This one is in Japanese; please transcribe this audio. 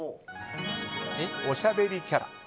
おしゃべりキャラ。